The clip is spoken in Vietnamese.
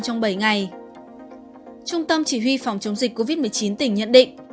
trong bảy ngày trung tâm chỉ huy phòng chống dịch covid một mươi chín tỉnh nhận định